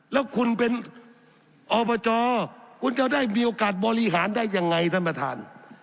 แล้วคุณเป็นอบจคุณจะได้มีโอกาสบริหารได้ยังไงท่านประธาน